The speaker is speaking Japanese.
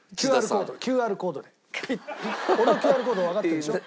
俺のＱＲコードわかってるでしょ？